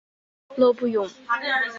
勒布永。